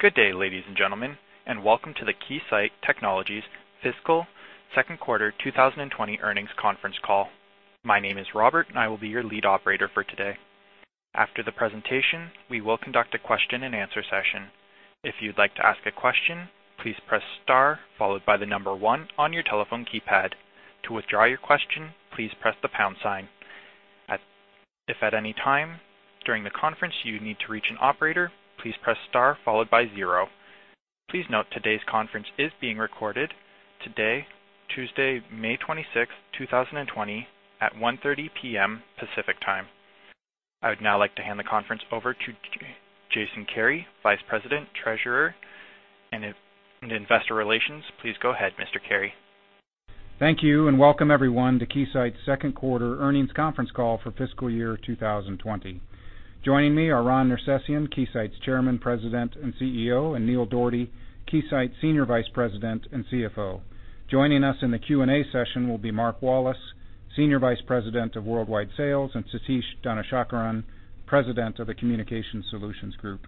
Good day, ladies and gentlemen, and welcome to the Keysight Technologies fiscal second quarter 2020 earnings conference call. My name is Robert, and I will be your lead operator for today. After the presentation, we will conduct a question and answer session. If you'd like to ask a question, please press star followed by number one on your telephone keypad. To withdraw your question, please press the pound sign. If at any time during the conference you need to reach an operator, please press star followed by zero. Please note today's conference is being recorded today, Tuesday, May 26, 2020, at 1:30 P.M. Pacific Time. I would now like to hand the conference over to Jason Kary, Vice President, Treasurer, and Investor Relations. Please go ahead, Mr. Kary. Thank you, and welcome everyone to Keysight's second quarter earnings conference call for fiscal year 2020. Joining me are Ron Nersesian, Keysight's Chairman, President, and CEO; and Neil Dougherty, Keysight's Senior Vice President and CFO. Joining us in the Q&A session will be Mark Wallace, Senior Vice President of Worldwide Sales; and Satish Dhanasekaran, President of the Communications Solutions Group.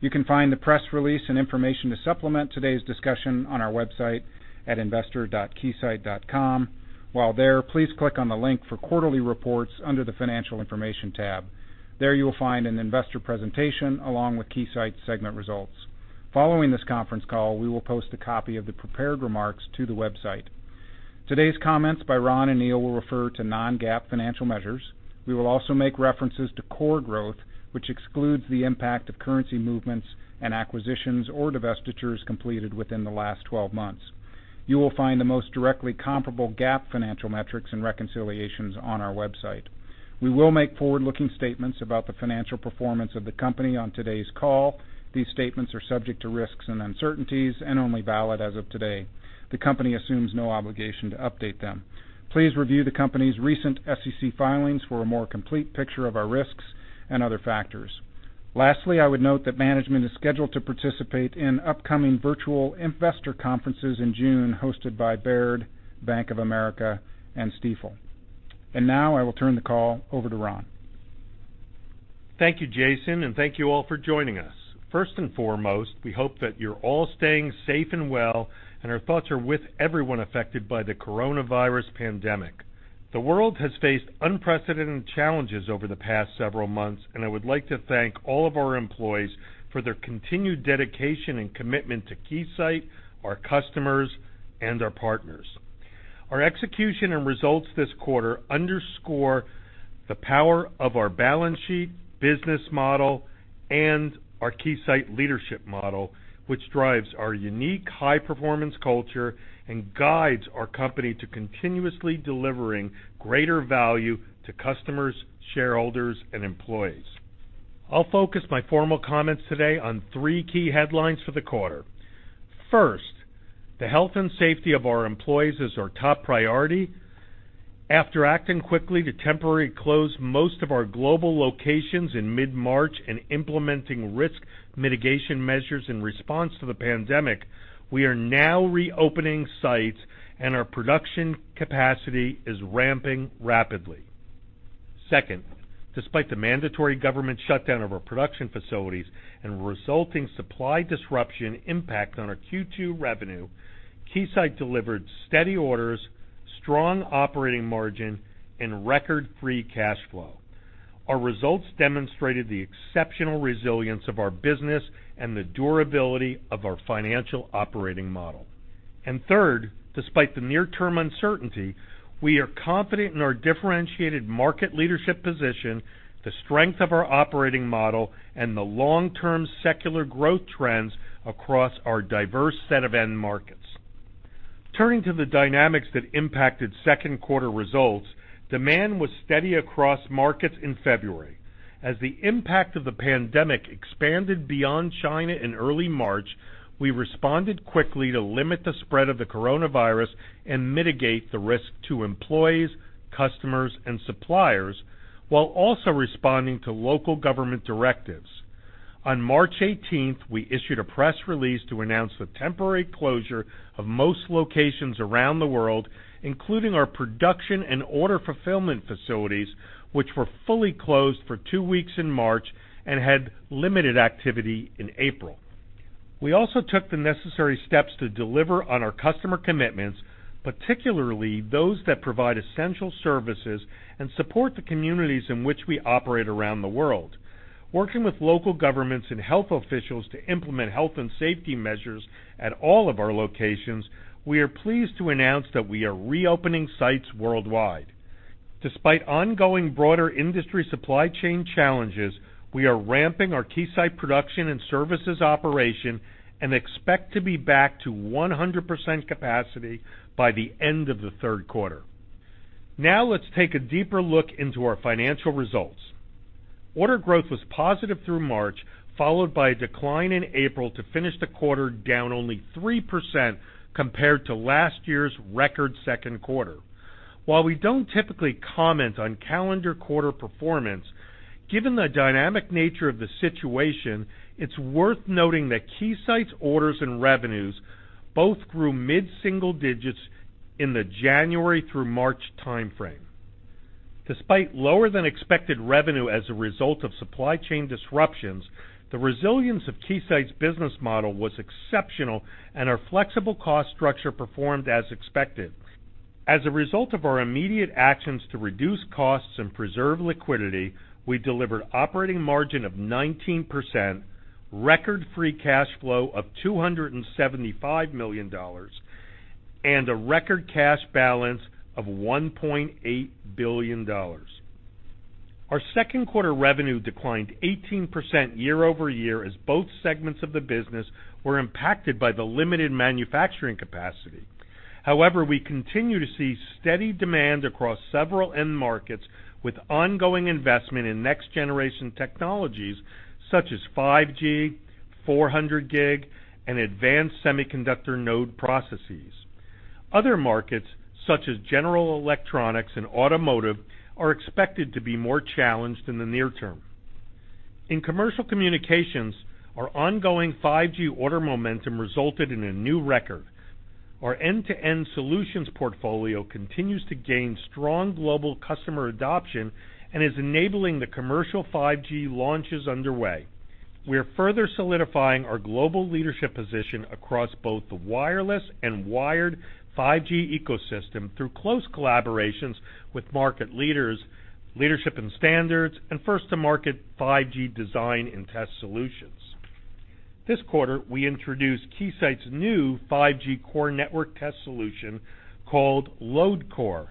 You can find the press release and information to supplement today's discussion on our website at investor.keysight.com. While there, please click on the link for quarterly reports under the financial information tab. There you will find an investor presentation along with Keysight segment results. Following this conference call, we will post a copy of the prepared remarks to the website. Today's comments by Ron and Neil will refer to non-GAAP financial measures. We will also make references to core growth, which excludes the impact of currency movements and acquisitions or divestitures completed within the last 12 months. You will find the most directly comparable GAAP financial metrics and reconciliations on our website. We will make forward-looking statements about the financial performance of the company on today's call. These statements are subject to risks and uncertainties and only valid as of today. The company assumes no obligation to update them. Please review the company's recent SEC filings for a more complete picture of our risks and other factors. Lastly, I would note that management is scheduled to participate in upcoming virtual investor conferences in June hosted by Baird, Bank of America, and Stifel. Now I will turn the call over to Ron. Thank you, Jason, and thank you all for joining us. First and foremost, we hope that you're all staying safe and well, and our thoughts are with everyone affected by the coronavirus pandemic. The world has faced unprecedented challenges over the past several months, and I would like to thank all of our employees for their continued dedication and commitment to Keysight, our customers, and our partners. Our execution and results this quarter underscore the power of our balance sheet, business model, and our Keysight leadership model, which drives our unique high-performance culture and guides our company to continuously delivering greater value to customers, shareholders, and employees. I'll focus my formal comments today on three key headlines for the quarter. First, the health and safety of our employees is our top priority. After acting quickly to temporarily close most of our global locations in mid-March and implementing risk mitigation measures in response to the pandemic, we are now reopening sites, and our production capacity is ramping rapidly. Second, despite the mandatory government shutdown of our production facilities and resulting supply disruption impact on our Q2 revenue, Keysight delivered steady orders, strong operating margin, and record free cash flow. Third, despite the near-term uncertainty, we are confident in our differentiated market leadership position, the strength of our operating model, and the long-term secular growth trends across our diverse set of end markets. Turning to the dynamics that impacted second quarter results, demand was steady across markets in February. As the impact of the pandemic expanded beyond China in early March, we responded quickly to limit the spread of the coronavirus and mitigate the risk to employees, customers, and suppliers, while also responding to local government directives. On March 18th, we issued a press release to announce the temporary closure of most locations around the world, including our production and order fulfillment facilities, which were fully closed for two weeks in March and had limited activity in April. We also took the necessary steps to deliver on our customer commitments, particularly those that provide essential services and support the communities in which we operate around the world. Working with local governments and health officials to implement health and safety measures at all of our locations, we are pleased to announce that we are reopening sites worldwide. Despite ongoing broader industry supply chain challenges, we are ramping our Keysight production and services operation and expect to be back to 100% capacity by the end of the third quarter. Let's take a deeper look into our financial results. Order growth was positive through March, followed by a decline in April to finish the quarter down only 3% compared to last year's record second quarter. While we don't typically comment on calendar quarter performance, given the dynamic nature of the situation, it's worth noting that Keysight's orders and revenues both grew mid-single digits in the January through March timeframe. Despite lower than expected revenue as a result of supply chain disruptions, the resilience of Keysight's business model was exceptional, and our flexible cost structure performed as expected. As a result of our immediate actions to reduce costs and preserve liquidity, we delivered operating margin of 19%, record free cash flow of $275 million, and a record cash balance of $1.8 billion. Our second quarter revenue declined 18% year-over-year, as both segments of the business were impacted by the limited manufacturing capacity. However, we continue to see steady demand across several end markets, with ongoing investment in next-generation technologies such as 5G, 400 Gig, and advanced semiconductor node processes. Other markets, such as general electronics and automotive, are expected to be more challenged in the near term. In commercial communications, our ongoing 5G order momentum resulted in a new record. Our end-to-end solutions portfolio continues to gain strong global customer adoption and is enabling the commercial 5G launches underway. We are further solidifying our global leadership position across both the wireless and wired 5G ecosystem through close collaborations with market leaders, leadership and standards, and first to market 5G design and test solutions. This quarter, we introduced Keysight's new 5G core network test solution called LoadCore.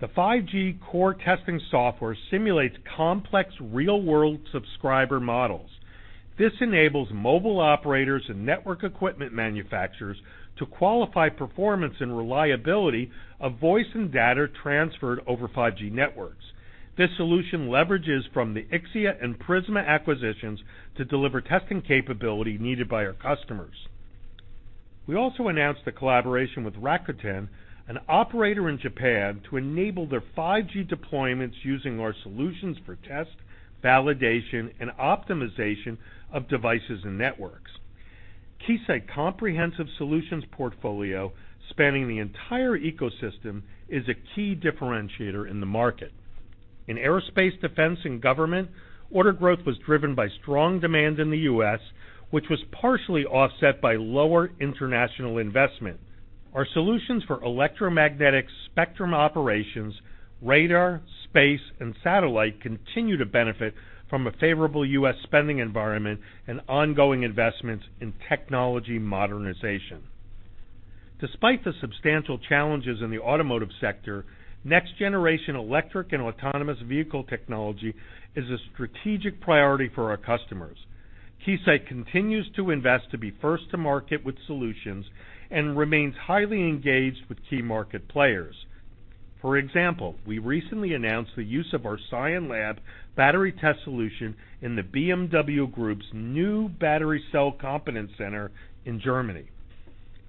The 5G core testing software simulates complex real-world subscriber models. This enables mobile operators and network equipment manufacturers to qualify performance and reliability of voice and data transferred over 5G networks. This solution leverages from the Ixia and Prisma acquisitions to deliver testing capability needed by our customers. We also announced a collaboration with Rakuten, an operator in Japan, to enable their 5G deployments using our solutions for test, validation, and optimization of devices and networks. Keysight comprehensive solutions portfolio, spanning the entire ecosystem, is a key differentiator in the market. In aerospace, defense, and government, order growth was driven by strong demand in the U.S., which was partially offset by lower international investment. Our solutions for electromagnetic spectrum operations, radar, space, and satellite continue to benefit from a favorable U.S. spending environment and ongoing investments in technology modernization. Despite the substantial challenges in the automotive sector, next-generation electric and autonomous vehicle technology is a strategic priority for our customers. Keysight continues to invest to be first to market with solutions and remains highly engaged with key market players. For example, we recently announced the use of our Scienlab battery test solution in the BMW Group's new battery cell competence center in Germany.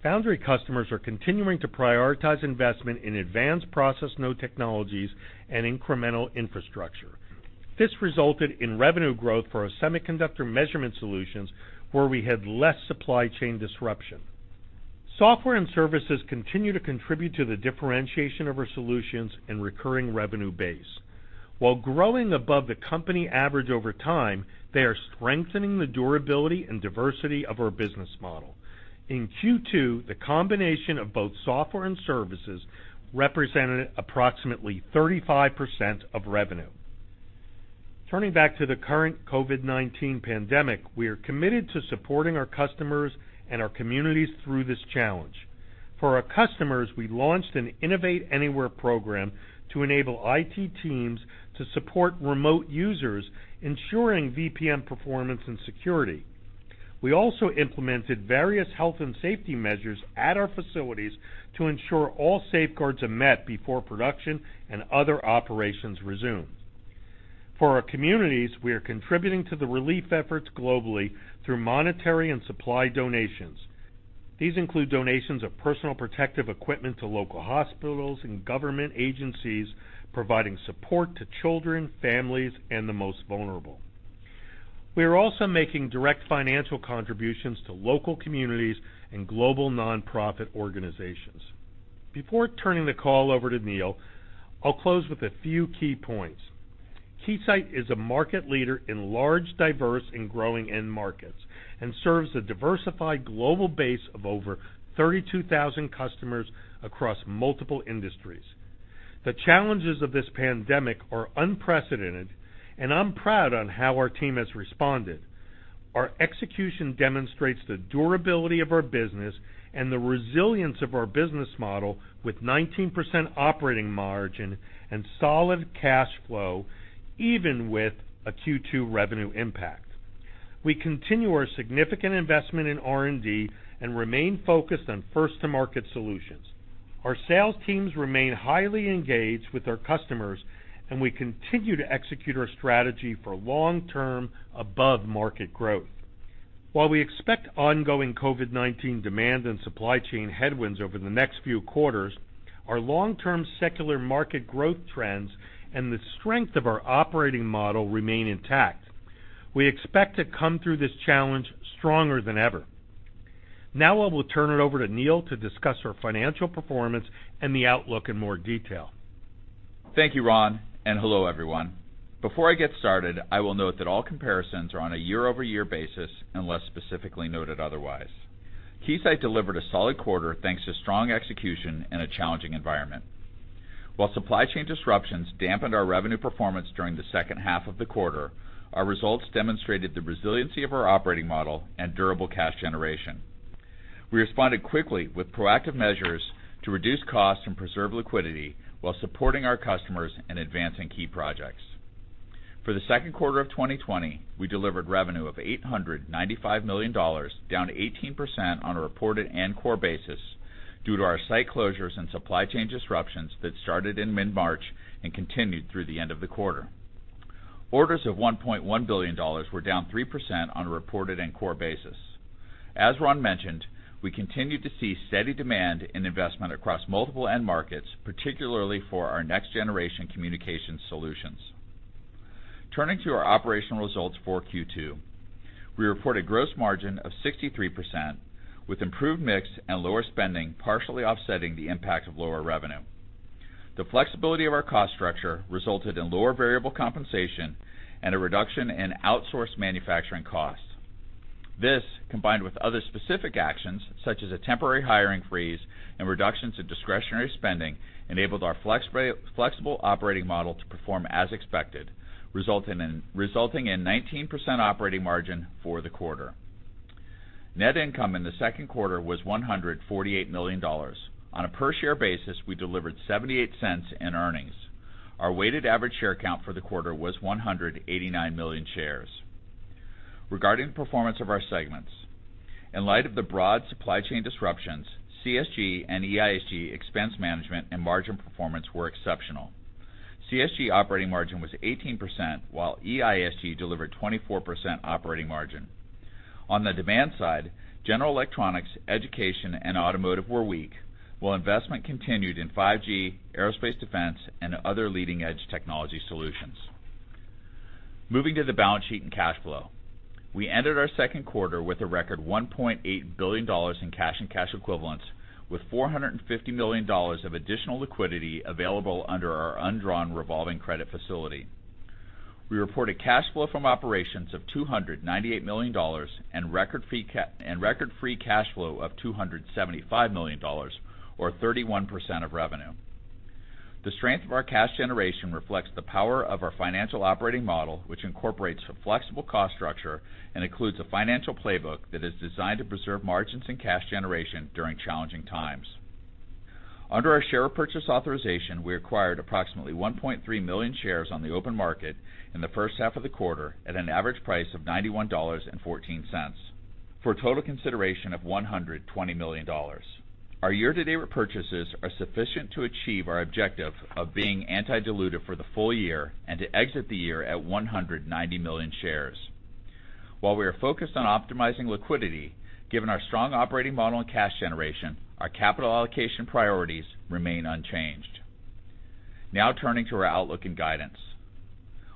Foundry customers are continuing to prioritize investment in advanced process node technologies and incremental infrastructure. This resulted in revenue growth for our semiconductor measurement solutions, where we had less supply chain disruption. Software and services continue to contribute to the differentiation of our solutions and recurring revenue base. While growing above the company average over time, they are strengthening the durability and diversity of our business model. In Q2, the combination of both software and services represented approximately 35% of revenue. Turning back to the current COVID-19 pandemic, we are committed to supporting our customers and our communities through this challenge. For our customers, we launched an Innovate Anywhere program to enable IT teams to support remote users, ensuring VPN performance and security. We also implemented various health and safety measures at our facilities to ensure all safeguards are met before production and other operations resume. For our communities, we are contributing to the relief efforts globally through monetary and supply donations. These include donations of personal protective equipment to local hospitals and government agencies, providing support to children, families, and the most vulnerable. We are also making direct financial contributions to local communities and global non-profit organizations. Before turning the call over to Neil, I'll close with a few key points. Keysight is a market leader in large, diverse, and growing end markets and serves a diversified global base of over 32,000 customers across multiple industries. The challenges of this pandemic are unprecedented, and I'm proud on how our team has responded. Our execution demonstrates the durability of our business and the resilience of our business model, with 19% operating margin and solid cash flow, even with a Q2 revenue impact. We continue our significant investment in R&D and remain focused on first-to-market solutions. Our sales teams remain highly engaged with our customers, and we continue to execute our strategy for long-term above-market growth. While we expect ongoing COVID-19 demand and supply chain headwinds over the next few quarters, our long-term secular market growth trends and the strength of our operating model remain intact. We expect to come through this challenge stronger than ever. Now I will turn it over to Neil to discuss our financial performance and the outlook in more detail. Thank you, Ron, and hello, everyone. Before I get started, I will note that all comparisons are on a year-over-year basis unless specifically noted otherwise. Keysight delivered a solid quarter thanks to strong execution in a challenging environment. While supply chain disruptions dampened our revenue performance during the second half of the quarter, our results demonstrated the resiliency of our operating model and durable cash generation. We responded quickly with proactive measures to reduce costs and preserve liquidity while supporting our customers in advancing key projects. For the second quarter of 2020, we delivered revenue of $895 million, down 18% on a reported and core basis due to our site closures and supply chain disruptions that started in mid-March and continued through the end of the quarter. Orders of $1.1 billion were down 3% on a reported and core basis. As Ron mentioned, we continued to see steady demand in investment across multiple end markets, particularly for our next-generation communication solutions. Turning to our operational results for Q2. We report a gross margin of 63%, with improved mix and lower spending partially offsetting the impact of lower revenue. The flexibility of our cost structure resulted in lower variable compensation and a reduction in outsourced manufacturing costs. This, combined with other specific actions such as a temporary hiring freeze and reductions in discretionary spending, enabled our flexible operating model to perform as expected, resulting in 19% operating margin for the quarter. Net income in the second quarter was $148 million. On a per-share basis, we delivered $0.88 in earnings. Our weighted average share count for the quarter was 189 million shares. Regarding the performance of our segments. In light of the broad supply chain disruptions, CSG and EISG expense management and margin performance were exceptional. CSG operating margin was 18%, while EISG delivered 24% operating margin. On the demand side, general electronics, education, and automotive were weak, while investment continued in 5G, aerospace defense, and other leading-edge technology solutions. Moving to the balance sheet and cash flow. We ended our second quarter with a record $1.8 billion in cash and cash equivalents, with $450 million of additional liquidity available under our undrawn revolving credit facility. We reported cash flow from operations of $298 million and record free cash flow of $275 million, or 31% of revenue. The strength of our cash generation reflects the power of our financial operating model, which incorporates a flexible cost structure and includes a financial playbook that is designed to preserve margins and cash generation during challenging times. Under our share purchase authorization, we acquired approximately 1.3 million shares on the open market in the first half of the quarter at an average price of $91.14, for a total consideration of $120 million. Our year-to-date repurchases are sufficient to achieve our objective of being anti-dilutive for the full year and to exit the year at 190 million shares. While we are focused on optimizing liquidity, given our strong operating model and cash generation, our capital allocation priorities remain unchanged. Now turning to our outlook and guidance.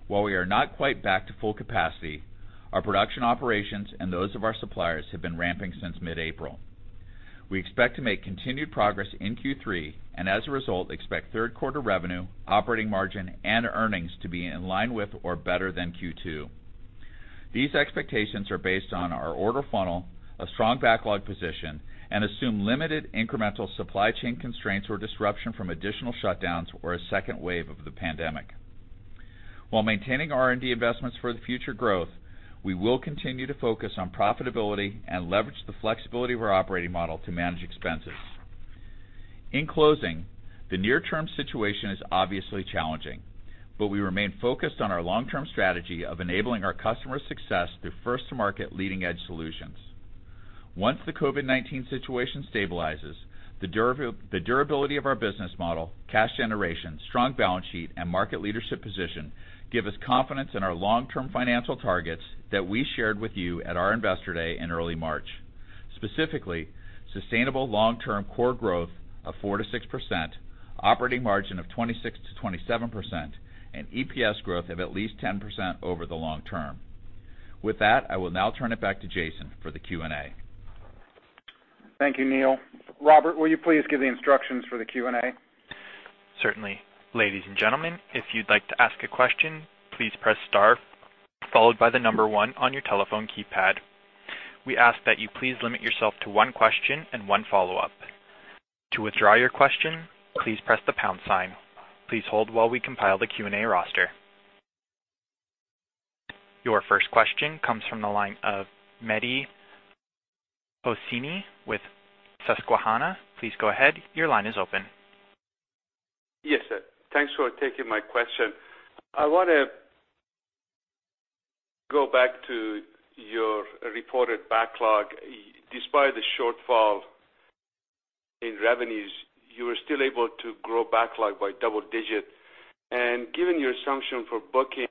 While we are not quite back to full capacity, our production operations and those of our suppliers have been ramping since mid-April. We expect to make continued progress in Q3, and as a result, expect third quarter revenue, operating margin, and earnings to be in line with or better than Q2. These expectations are based on our order funnel, a strong backlog position, and assume limited incremental supply chain constraints or disruption from additional shutdowns or a second wave of the COVID-19 pandemic. While maintaining R&D investments for the future growth, we will continue to focus on profitability and leverage the flexibility of our operating model to manage expenses. In closing, the near-term situation is obviously challenging, but we remain focused on our long-term strategy of enabling our customers' success through first-to-market leading-edge solutions. Once the COVID-19 situation stabilizes, the durability of our business model, cash generation, strong balance sheet, and market leadership position give us confidence in our long-term financial targets that we shared with you at our investor day in early March. Specifically, sustainable long-term core growth of 4%-6%, operating margin of 26%-27%, and EPS growth of at least 10% over the long term. With that, I will now turn it back to Jason for the Q&A. Thank you, Neil. Robert, will you please give the instructions for the Q&A? Certainly. Ladies and gentlemen, if you'd like to ask a question, please press star followed by the number 1 on your telephone keypad. We ask that you please limit yourself to one question and one follow-up. To withdraw your question, please press the pound sign. Please hold while we compile the Q&A roster. Your first question comes from the line of Mehdi Hosseini with Susquehanna. Please go ahead. Your line is open. Yes, sir. Thanks for taking my question. I want to go back to your reported backlog. Despite the shortfall in revenues, you were still able to grow backlog by double-digit. Given your assumption for booking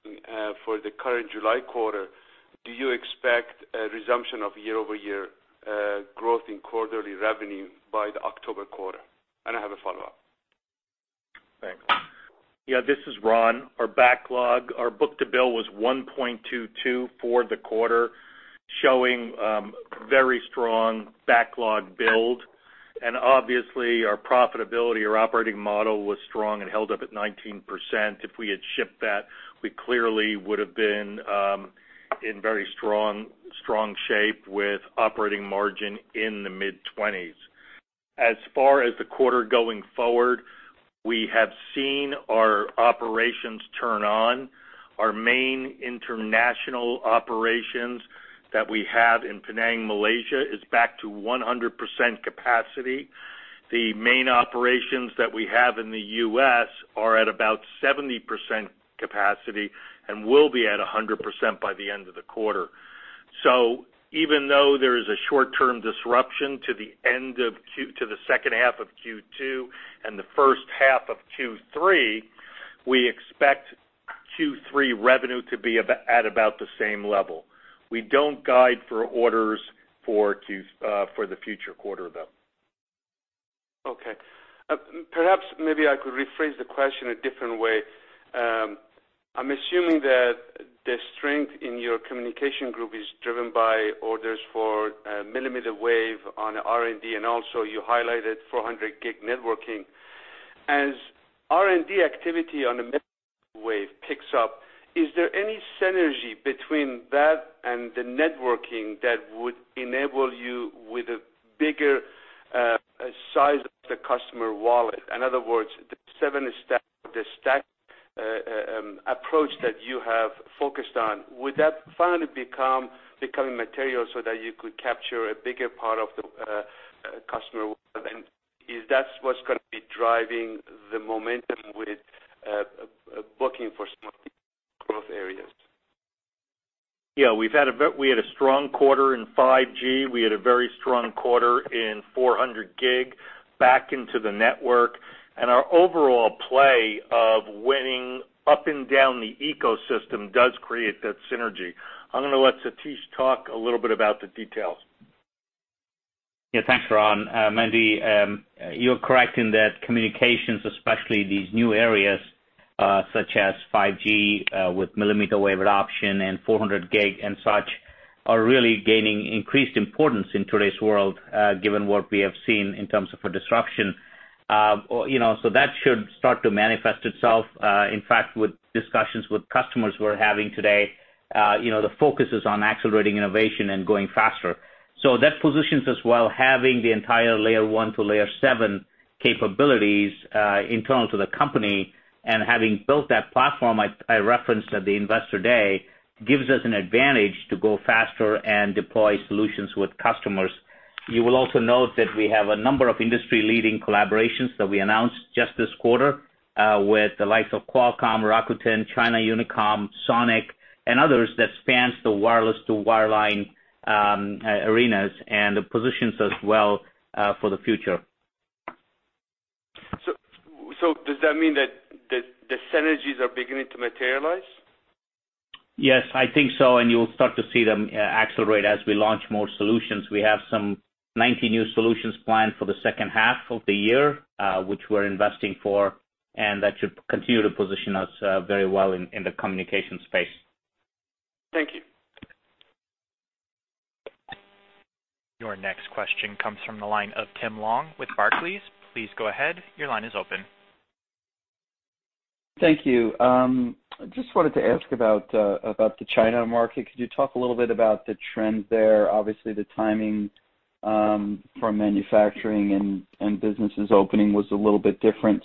for the current July quarter, do you expect a resumption of year-over-year growth in quarterly revenue by the October quarter? I have a follow-up. Yeah, this is Ron. Our backlog, our book-to-bill was 1.22 for the quarter, showing very strong backlog build. Obviously, our profitability or operating model was strong and held up at 19%. If we had shipped that, we clearly would've been in very strong shape with operating margin in the mid-20s. As far as the quarter going forward, we have seen our operations turn on. Our main international operations that we have in Penang, Malaysia is back to 100% capacity. The main operations that we have in the U.S. are at about 70% capacity and will be at 100% by the end of the quarter. Even though there is a short-term disruption to the second half of Q2 and the first half of Q3, we expect Q3 revenue to be at about the same level. We don't guide for orders for the future quarter, though. Okay. Perhaps maybe I could rephrase the question a different way. I'm assuming that the strength in your Communications Solutions Group is driven by orders for millimeter wave on R&D, and also you highlighted 400G networking. As R&D activity on mmWave picks up, is there any synergy between that and the networking that would enable you with a bigger size of the customer wallet? In other words, the seven stack approach that you have focused on, would that finally become material so that you could capture a bigger part of the customer wallet, and is that what's going to be driving the momentum with booking for some of these growth areas? Yeah. We had a strong quarter in 5G. We had a very strong quarter in 400G back into the network, and our overall play of winning up and down the ecosystem does create that synergy. I'm going to let Satish talk a little bit about the details. Thanks, Ron. Mehdi, you're correct in that communications, especially these new areas, such as 5G, with millimeter wave adoption and 400G and such, are really gaining increased importance in today's world, given what we have seen in terms of a disruption. That should start to manifest itself. In fact, with discussions with customers we're having today, the focus is on accelerating innovation and going faster. That positions us well, having the entire layer one to layer seven capabilities internal to the company and having built that platform I referenced at the investor day, gives us an advantage to go faster and deploy solutions with customers. You will also note that we have a number of industry-leading collaborations that we announced just this quarter, with the likes of Qualcomm, Rakuten, China Unicom, SONiC, and others that spans the wireless to wireline arenas and positions us well for the future. Does that mean that the synergies are beginning to materialize? Yes, I think so. You'll start to see them accelerate as we launch more solutions. We have some 90 new solutions planned for the second half of the year, which we're investing for, and that should continue to position us very well in the communication space. Thank you. Your next question comes from the line of Tim Long with Barclays. Please go ahead. Your line is open. Thank you. Just wanted to ask about the China market. Could you talk a little bit about the trend there? Obviously, the timing for manufacturing and businesses opening was a little bit different.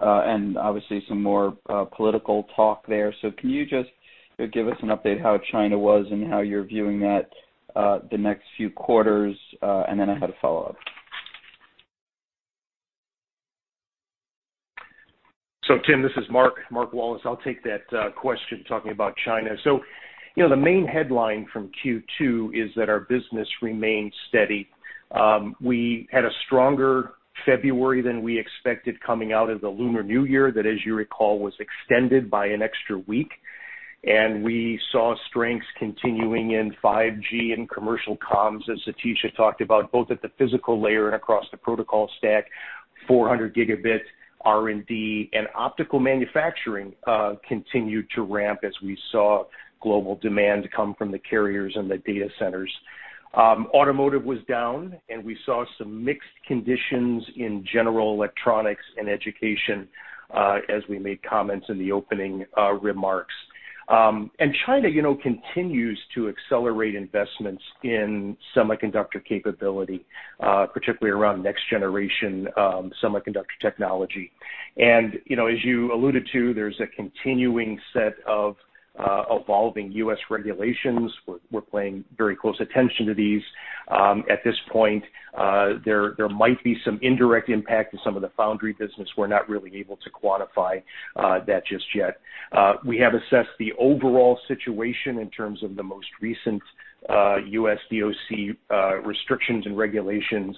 Obviously some more political talk there. Can you just give us an update how China was and how you're viewing that the next few quarters? I had a follow-up. Tim, this is Mark Wallace. I'll take that question, talking about China. The main headline from Q2 is that our business remained steady. We had a stronger February than we expected coming out of the Lunar New Year. That, as you recall, was extended by an extra week. We saw strengths continuing in 5G and commercial comms, as Satish talked about, both at the physical layer and across the protocol stack, 400 gigabit R&D and optical manufacturing continued to ramp as we saw global demand come from the carriers and the data centers. Automotive was down, and we saw some mixed conditions in general electronics and education, as we made comments in the opening remarks. China continues to accelerate investments in semiconductor capability, particularly around next generation semiconductor technology. As you alluded to, there's a continuing set of evolving U.S. regulations. We're paying very close attention to these. At this point, there might be some indirect impact to some of the foundry business. We're not really able to quantify that just yet. We have assessed the overall situation in terms of the most recent U.S. DOC restrictions and regulations.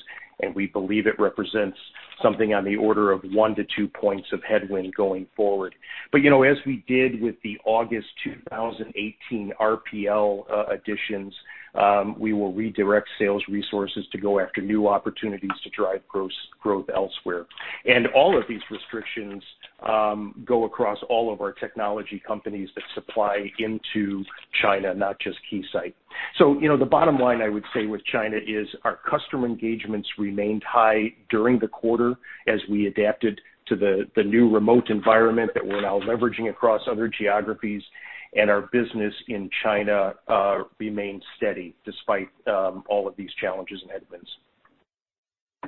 We believe it represents something on the order of one to two points of headwind going forward. As we did with the August 2018 RPL additions, we will redirect sales resources to go after new opportunities to drive growth elsewhere. All of these restrictions go across all of our technology companies that supply into China, not just Keysight. The bottom line I would say with China is our customer engagements remained high during the quarter as we adapted to the new remote environment that we're now leveraging across other geographies, and our business in China remains steady despite all of these challenges and headwinds.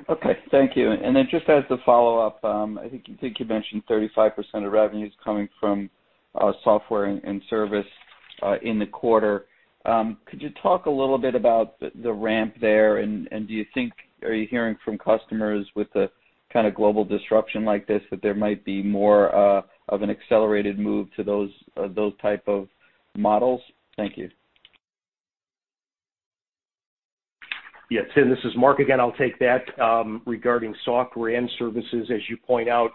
Okay, thank you. Just as the follow-up, I think you mentioned 35% of revenue is coming from software and service in the quarter. Could you talk a little bit about the ramp there and are you hearing from customers with the kind of global disruption like this, that there might be more of an accelerated move to those type of models? Thank you. Yeah, Tim, this is Mark again, I'll take that. Regarding software and services, as you point out,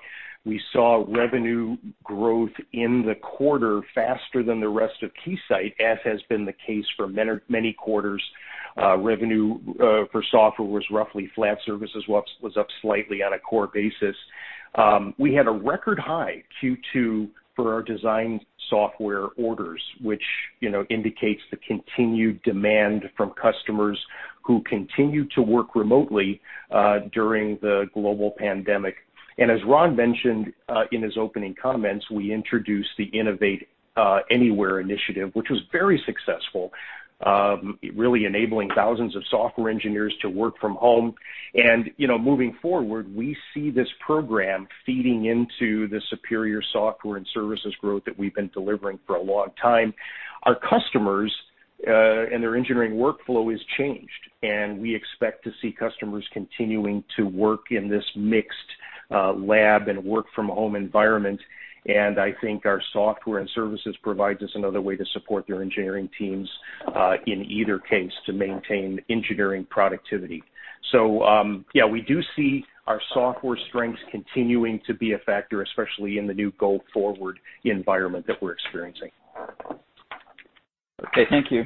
we saw revenue growth in the quarter faster than the rest of Keysight, as has been the case for many quarters. Revenue for software was roughly flat, services was up slightly on a core basis. We had a record high Q2 for our design software orders, which indicates the continued demand from customers who continue to work remotely during the global pandemic. As Ron mentioned in his opening comments, we introduced the Innovate Anywhere initiative, which was very successful, really enabling thousands of software engineers to work from home. Moving forward, we see this program feeding into the superior software and services growth that we've been delivering for a long time. Our customers and their engineering workflow is changed. We expect to see customers continuing to work in this mixed lab and work-from-home environment. I think our software and services provides us another way to support their engineering teams, in either case, to maintain engineering productivity. Yeah, we do see our software strengths continuing to be a factor, especially in the new go-forward environment that we're experiencing. Okay, thank you.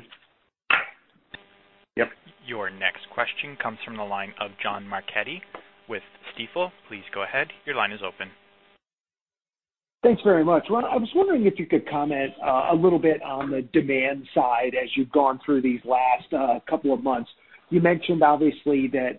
Yep. Your next question comes from the line of John Marchetti with Stifel. Please go ahead. Your line is open. Thanks very much. Ron, I was wondering if you could comment a little bit on the demand side as you've gone through these last couple of months. You mentioned obviously that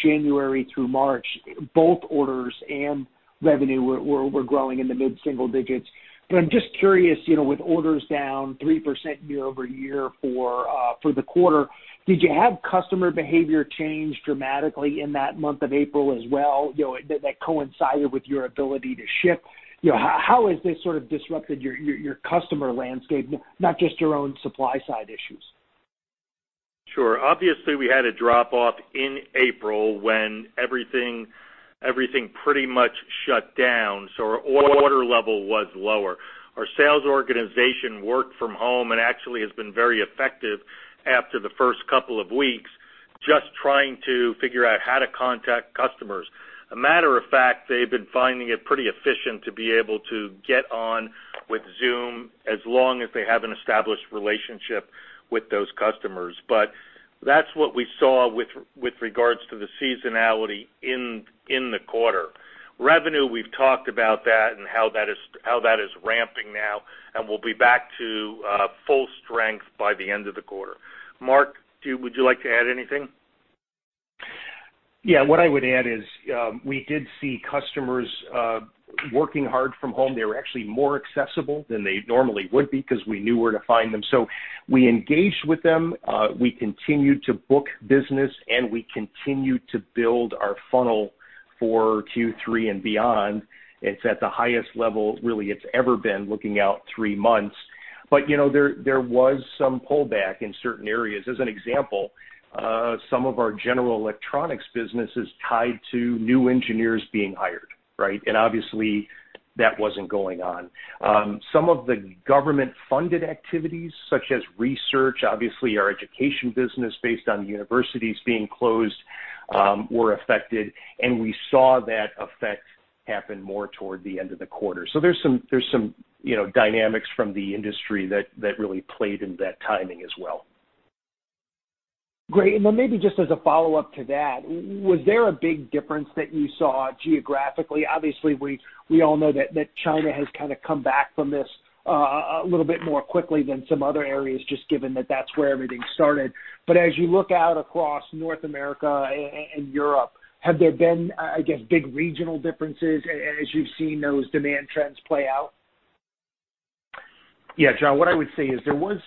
January through March, both orders and revenue were growing in the mid-single digits. I'm just curious, with orders down 3% year-over-year for the quarter, did you have customer behavior change dramatically in that month of April as well, that coincided with your ability to ship? How has this sort of disrupted your customer landscape, not just your own supply side issues? Sure. Obviously, we had a drop-off in April when everything pretty much shut down. Our order level was lower. Our sales organization worked from home and actually has been very effective after the first couple of weeks, just trying to figure out how to contact customers. A matter of fact, they've been finding it pretty efficient to be able to get on with Zoom as long as they have an established relationship with those customers. That's what we saw with regards to the seasonality in the quarter. Revenue, we've talked about that and how that is ramping now, and we'll be back to full strength by the end of the quarter. Mark, would you like to add anything? Yeah. What I would add is, we did see customers working hard from home. They were actually more accessible than they normally would be because we knew where to find them. We engaged with them, we continued to book business, and we continued to build our funnel for Q3 and beyond. It's at the highest level, really it's ever been looking out three months. There was some pullback in certain areas. As an example, some of our general electronics business is tied to new engineers being hired, right? Obviously, that wasn't going on. Some of the government-funded activities, such as research, obviously our education business based on the universities being closed, were affected, and we saw that effect happen more toward the end of the quarter. There's some dynamics from the industry that really played in that timing as well. Great. Maybe just as a follow-up to that, was there a big difference that you saw geographically? Obviously, we all know that China has kind of come back from this a little bit more quickly than some other areas, just given that that's where everything started. As you look out across North America and Europe, have there been, I guess, big regional differences as you've seen those demand trends play out? Yeah, John, what I would say is there was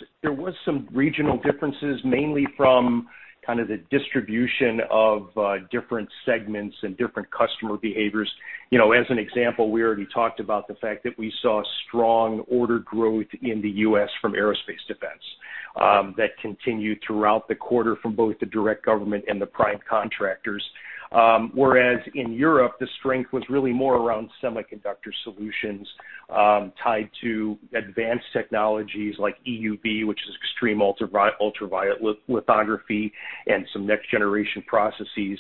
some regional differences, mainly from kind of the distribution of different segments and different customer behaviors. As an example, we already talked about the fact that we saw strong order growth in the U.S. from aerospace defense. That continued throughout the quarter from both the direct government and the prime contractors. In Europe, the strength was really more around semiconductor solutions tied to advanced technologies like EUV, which is extreme ultraviolet lithography, and some next-generation processes.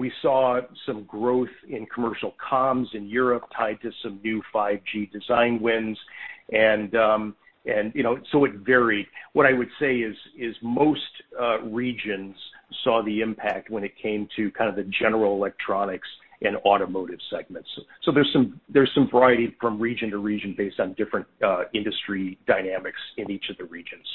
We saw some growth in commercial comms in Europe tied to some new 5G design wins. It varied. What I would say is most regions saw the impact when it came to kind of the general electronics and automotive segments. There's some variety from region to region based on different industry dynamics in each of the regions.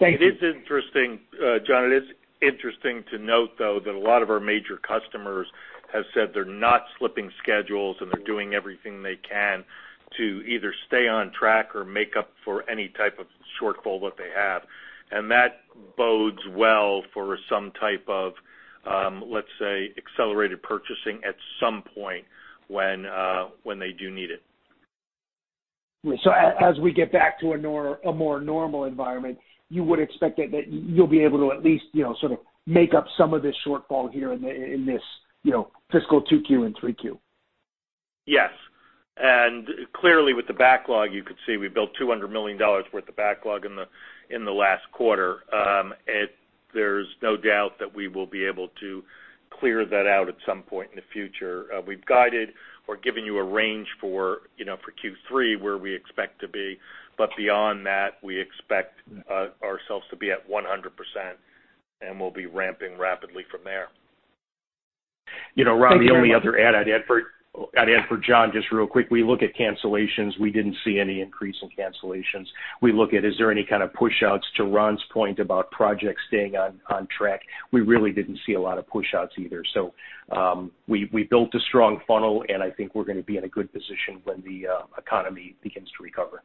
Thank you. It is interesting, John. It is interesting to note, though, that a lot of our major customers have said they're not slipping schedules, and they're doing everything they can to either stay on track or make up for any type of shortfall that they have. That bodes well for some type of, let's say, accelerated purchasing at some point when they do need it. As we get back to a more normal environment, you would expect that you'll be able to at least sort of make up some of this shortfall here in this fiscal 2Q and 3Q? Yes. Clearly with the backlog, you could see we built $200 million worth of backlog in the last quarter. There's no doubt that we will be able to clear that out at some point in the future. We've guided. We're giving you a range for Q3 where we expect to be. Beyond that, we expect ourselves to be at 100%, and we'll be ramping rapidly from there. Thank you very much. Ron, the only other add I'd add for John, just real quick, we look at cancellations. We didn't see any increase in cancellations. We look at, is there any kind of pushouts to Ron's point about projects staying on track? We really didn't see a lot of pushouts either. We built a strong funnel, and I think we're going to be in a good position when the economy begins to recover.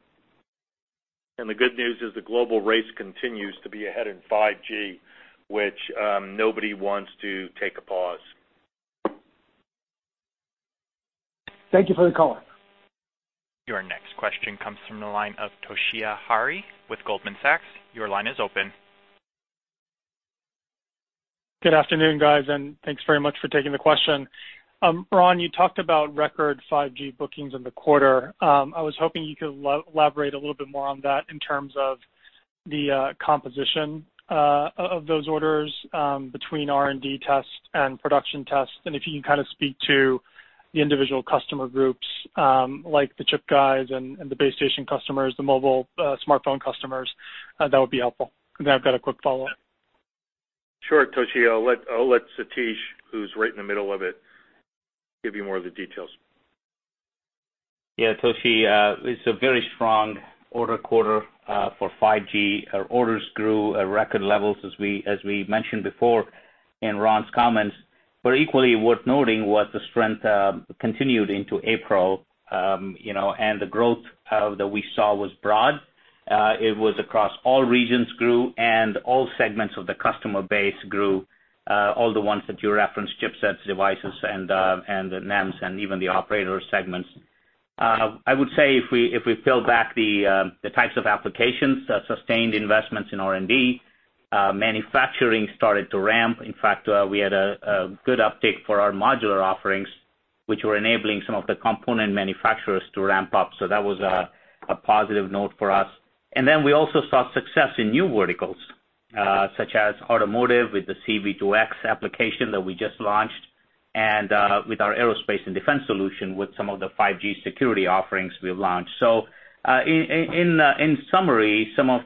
The good news is the global race continues to be ahead in 5G, which nobody wants to take a pause. Thank you for the color. Your next question comes from the line of Toshiya Hari with Goldman Sachs. Your line is open. Good afternoon, guys. Thanks very much for taking the question. Ron, you talked about record 5G bookings in the quarter. I was hoping you could elaborate a little bit more on that in terms of the composition of those orders between R&D tests and production tests, and if you can kind of speak to the individual customer groups, like the chip guys and the base station customers, the mobile smartphone customers, that would be helpful. I've got a quick follow-up. Sure, Toshiya. I'll let Satish, who's right in the middle of it, give you more of the details. Yeah, Toshiya, it's a very strong order quarter for 5G. Our orders grew at record levels, as we mentioned before in Ron's comments. Equally worth noting was the strength continued into April, and the growth that we saw was broad. It was across all regions grew and all segments of the customer base grew, all the ones that you referenced, chipsets, devices, and the NEMs and even the operator segments. I would say if we peel back the types of applications that sustained investments in R&D, manufacturing started to ramp. In fact, we had a good uptake for our modular offerings, which were enabling some of the component manufacturers to ramp up. That was a positive note for us. We also saw success in new verticals such as automotive with the C-V2X application that we just launched and with our aerospace and defense solution with some of the 5G security offerings we've launched. In summary, some of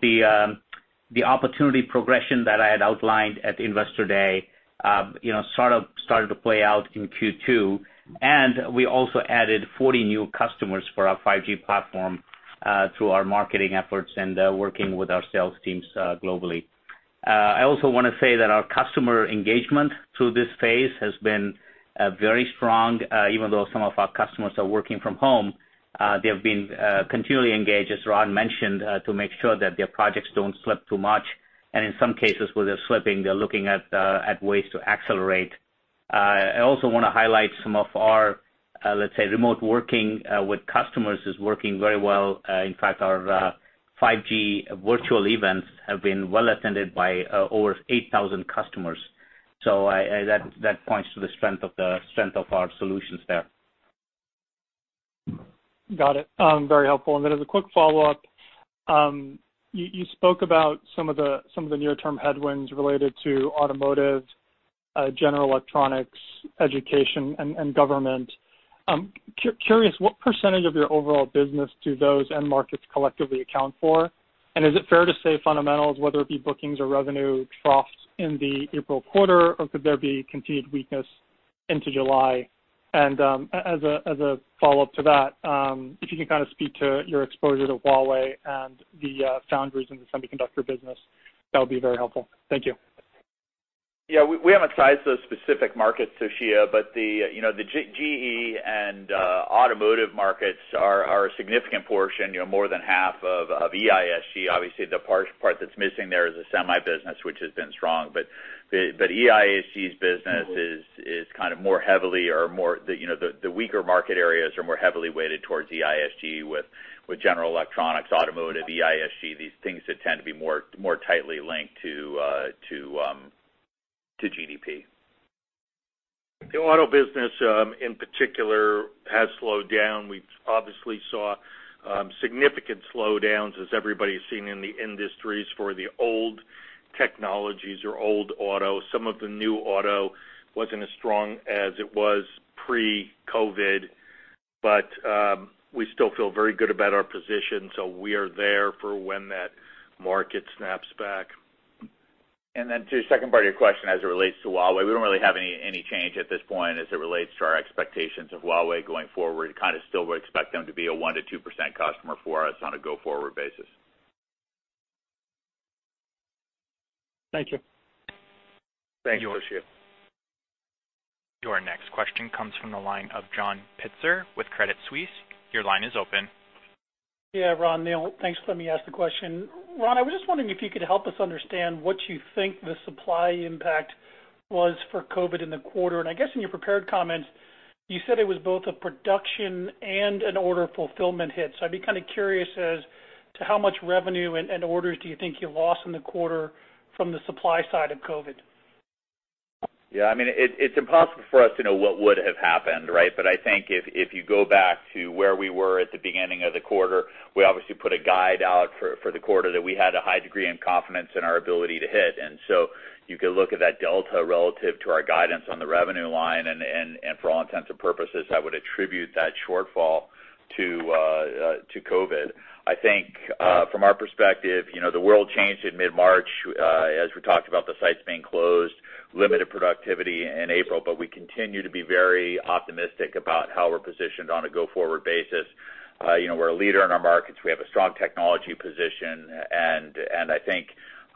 the opportunity progression that I had outlined at Investor Day started to play out in Q2, and we also added 40 new customers for our 5G platform through our marketing efforts and working with our sales teams globally. I also want to say that our customer engagement through this phase has been very strong. Even though some of our customers are working from home, they have been continually engaged, as Ron mentioned, to make sure that their projects don't slip too much, and in some cases where they're slipping, they're looking at ways to accelerate. I also want to highlight some of our, let's say, remote working with customers is working very well. In fact, our 5G virtual events have been well attended by over 8,000 customers. That points to the strength of our solutions there. Got it. Very helpful. Then as a quick follow-up, you spoke about some of the near-term headwinds related to automotive, general electronics, education, and government. Curious, what percentage of your overall business do those end markets collectively account for? Is it fair to say fundamentals, whether it be bookings or revenue, troughs in the April quarter, or could there be continued weakness into July? As a follow-up to that, if you can kind of speak to your exposure to Huawei and the foundries in the semiconductor business, that would be very helpful. Thank you. Yeah, we haven't sized those specific markets, Toshiya, the GE and automotive markets are a significant portion, more than half of EISG. Obviously, the part that's missing there is the semi business, which has been strong. EISG's business is kind of more heavily or the weaker market areas are more heavily weighted towards EISG with General Electronics, automotive, EISG, these things that tend to be more tightly linked to GDP. The auto business in particular has slowed down. We obviously saw significant slowdowns as everybody's seen in the industries for the old technologies or old auto. Some of the new auto wasn't as strong as it was pre-COVID, but we still feel very good about our position, so we are there for when that market snaps back. To the second part of your question as it relates to Huawei, we don't really have any change at this point as it relates to our expectations of Huawei going forward. We kind of still would expect them to be a 1%-2% customer for us on a go-forward basis. Thank you. Thanks, Toshiya. Your next question comes from the line of John Pitzer with Credit Suisse. Your line is open. Yeah, Ron, Neil, thanks for letting me ask the question. Ron, I was just wondering if you could help us understand what you think the supply impact was for COVID in the quarter. I guess in your prepared comments, you said it was both a production and an order fulfillment hit. I'd be kind of curious as to how much revenue and orders do you think you lost in the quarter from the supply side of COVID? Yeah, it's impossible for us to know what would have happened, right? I think if you go back to where we were at the beginning of the quarter, we obviously put a guide out for the quarter that we had a high degree in confidence in our ability to hit. You could look at that delta relative to our guidance on the revenue line, and for all intents and purposes, I would attribute that shortfall to COVID. I think from our perspective, the world changed in mid-March, as we talked about the sites being closed, limited productivity in April, but we continue to be very optimistic about how we're positioned on a go-forward basis. We're a leader in our markets. We have a strong technology position, and I think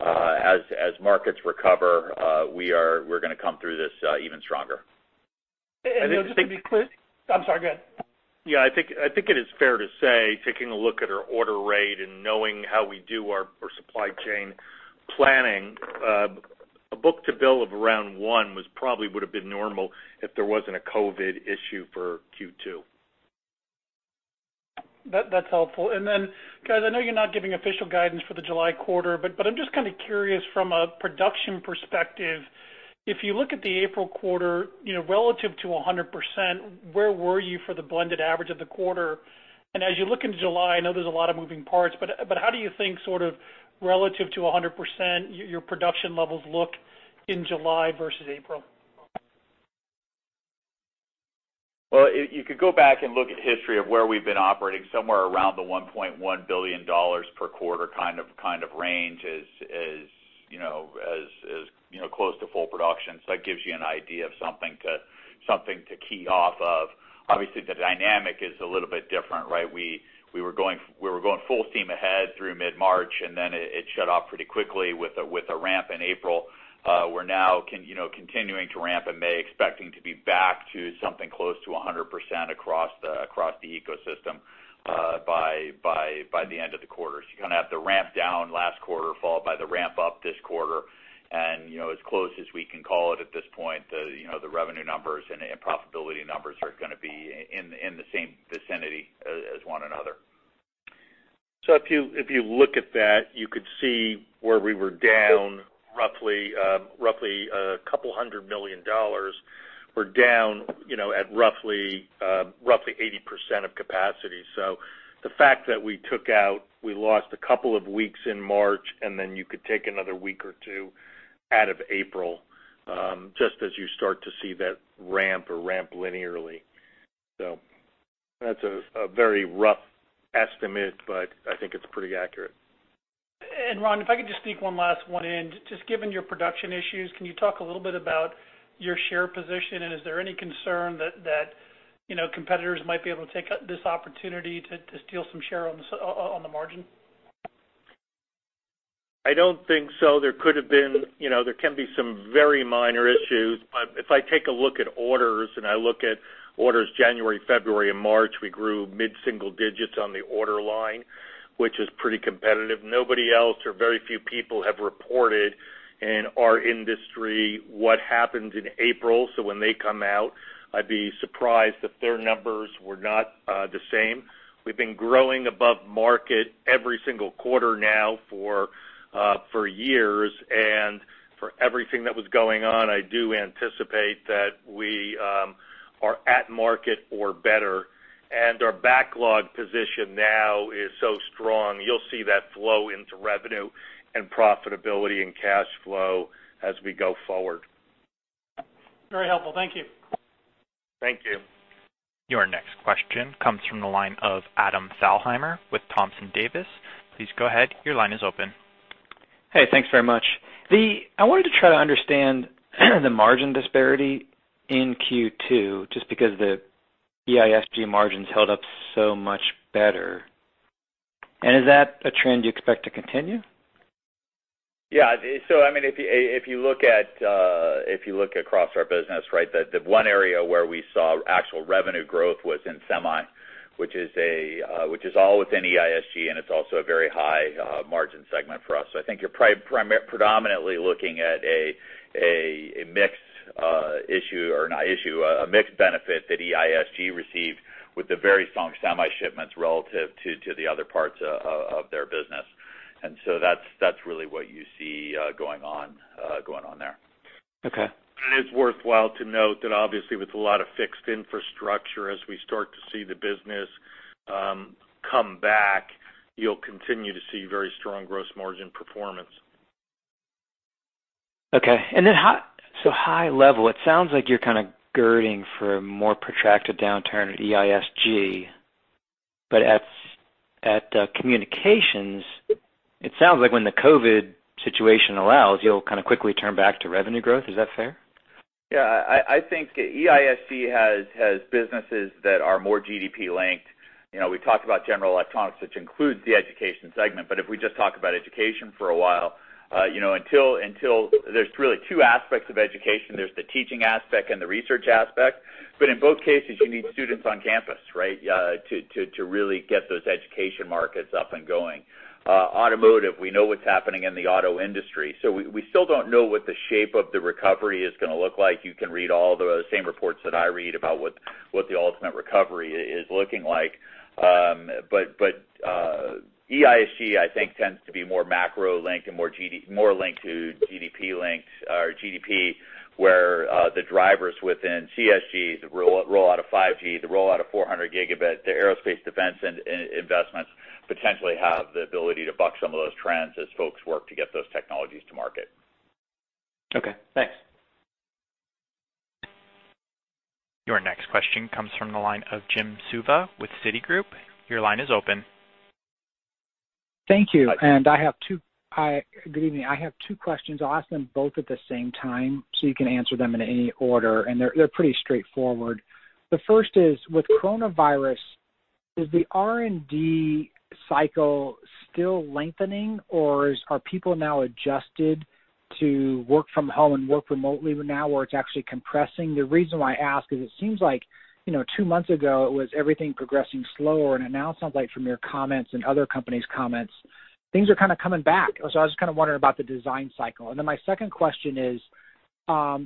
as markets recover, we're going to come through this even stronger. Just to be clear. I'm sorry, go ahead. Yeah, I think it is fair to say, taking a look at our order rate and knowing how we do our supply chain planning, a book-to-bill of around one probably would have been normal if there wasn't a COVID issue for Q2. That's helpful. Guys, I know you're not giving official guidance for the July quarter, I'm just kind of curious from a production perspective, if you look at the April quarter, relative to 100%, where were you for the blended average of the quarter? As you look into July, I know there's a lot of moving parts, how do you think sort of relative to 100%, your production levels look in July versus April? Well, you could go back and look at history of where we've been operating somewhere around the $1.1 billion per quarter kind of range as close to full production. That gives you an idea of something to key off of. Obviously, the dynamic is a little bit different, right? We were going full steam ahead through mid-March, it shut off pretty quickly with a ramp in April. We're now continuing to ramp in May, expecting to be back to something close to 100% across the ecosystem by the end of the quarter. You kind of have to ramp down last quarter, followed by the ramp up this quarter. As close as we can call it at this point, the revenue numbers and profitability numbers are going to be in the same vicinity as one another. If you look at that, you could see where we were down roughly $200 million. We're down at roughly 80% of capacity. The fact that we took out, we lost a couple of weeks in March, and then you could take another week or two out of April, just as you start to see that ramp or ramp linearly. That's a very rough estimate, but I think it's pretty accurate. Ron, if I could just sneak one last one in. Just given your production issues, can you talk a little bit about your share position, and is there any concern that competitors might be able to take this opportunity to steal some share on the margin? I don't think so. There can be some very minor issues. If I take a look at orders, and I look at orders January, February, and March, we grew mid-single digits on the order line, which is pretty competitive. Nobody else or very few people have reported in our industry what happened in April. When they come out, I'd be surprised if their numbers were not the same. We've been growing above market every single quarter now for years, and for everything that was going on, I do anticipate that we are at market or better. Our backlog position now is so strong, you'll see that flow into revenue and profitability and cash flow as we go forward. Very helpful. Thank you. Thank you. Your next question comes from the line of Adam Thalhimer with Thompson Davis. Please go ahead. Your line is open. Hey, thanks very much. I wanted to try to understand the margin disparity in Q2, just because the EISG margins held up so much better. Is that a trend you expect to continue? Yeah. If you look across our business, the one area where we saw actual revenue growth was in semi, which is all within EISG, and it's also a very high margin segment for us. I think you're predominantly looking at a mix benefit that EISG received with the very strong semi shipments relative to the other parts of their business. That's really what you see going on there. Okay. It's worthwhile to note that obviously with a lot of fixed infrastructure, as we start to see the business come back, you'll continue to see very strong gross margin performance. Okay. High level, it sounds like you're kind of girding for a more protracted downturn at EISG, but at Communications, it sounds like when the COVID situation allows, you'll kind of quickly turn back to revenue growth. Is that fair? Yeah. I think EISG has businesses that are more GDP-linked. We talked about general electronics, which includes the education segment. If we just talk about education for a while, there's really two aspects of education. There's the teaching aspect and the research aspect. In both cases, you need students on campus, right? To really get those education markets up and going. Automotive, we know what's happening in the auto industry. We still don't know what the shape of the recovery is going to look like. You can read all the same reports that I read about what the ultimate recovery is looking like. EISG, I think, tends to be more macro-linked and more linked to GDP, where the drivers within CSG, the rollout of 5G, the rollout of 400 Gigabit, the aerospace defense investments potentially have the ability to buck some of those trends as folks work to get those technologies to market. Okay, thanks. Your next question comes from the line of Jim Suva with Citigroup. Your line is open. Thank you. Good evening. I have two questions. I'll ask them both at the same time, so you can answer them in any order. They're pretty straightforward. The first is, with COVID-19, is the R&D cycle still lengthening, or are people now adjusted to work from home and work remotely now where it's actually compressing? The reason why I ask is it seems like two months ago, it was everything progressing slower, and it now sounds like from your comments and other companies' comments, things are kind of coming back. I was just kind of wondering about the design cycle. My second question is,